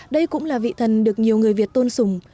đây cũng là vị thần được nhiều người việt tôn sùng